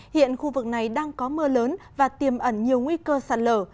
hiện khu vực này đang có mưa lớn và tiềm ẩn nhiều nguy cơ sạt lở